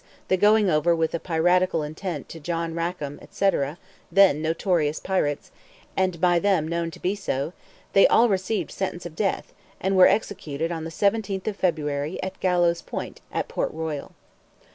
the going over with a piratical intent to John Rackam, &c. then notorious pirates, and by them known to be so, they all received sentence of death, and were executed on the 17th of February at Gallows Point at Port Royal.